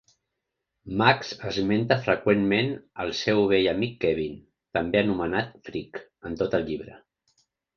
Max esmenta freqüentment el seu vell amic Kevin, també anomenat Freak, en tot el llibre.